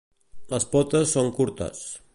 Les potes són curtes.